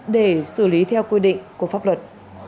để xử lý theo quy định của pháp luật